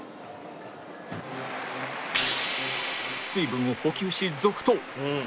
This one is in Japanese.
水分を補給し続投